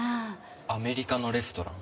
アメリカのレストラン。